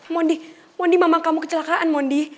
mondi mondi mama kamu kecelakaan mondi